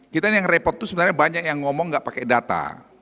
kita yang repot itu sebenarnya banyak yang ngomong nggak pakai data